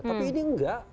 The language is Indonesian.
tapi ini enggak